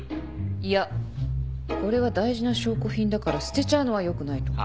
いやこれは大事な証拠品だから捨てちゃうのはよくないと思う。